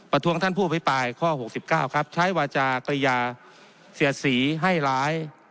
ประทรวงท่านผู้อภัยปลายข้อหกสิบเก้าครับใช้วาจากริยาเสียดสีให้ร้าย